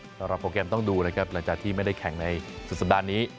โปรแกรมต้องดูนะครับหลังจากที่ไม่ได้แข่งในสุดสัปดาห์นี้